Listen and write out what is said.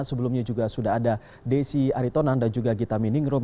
sebelumnya juga sudah ada desi aritonan dan juga gita meningrum